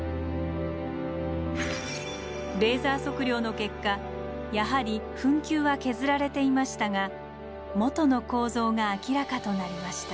レーザー測量の結果やはり墳丘は削られていましたが元の構造が明らかとなりました。